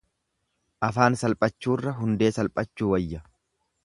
Afaan salphachurra hundee salphachuu wayya.